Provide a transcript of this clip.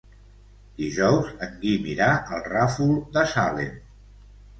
Dijous en Guim irà al Ràfol de Salem.